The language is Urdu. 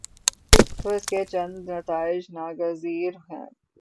تو اس کے چند نتائج ناگزیر ہیں۔